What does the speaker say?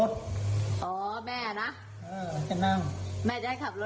อ๋อหมาแก่